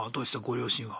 ご両親は。